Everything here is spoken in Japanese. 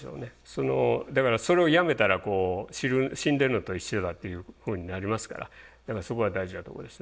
そのだからそれをやめたらこう死んでるのと一緒だというふうになりますからだからそこは大事なとこですね。